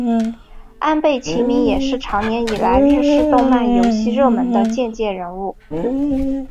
安倍晴明也是长年以来日式动漫游戏热门的借鉴人物。